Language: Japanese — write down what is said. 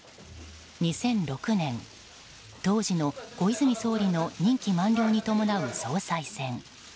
２００６年当時の小泉総理の任期満了に伴う総裁選。